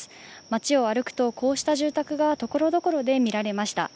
町を歩くとこうした住宅がところどころでみられました。